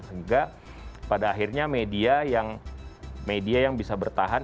sehingga pada akhirnya media yang bisa bertahan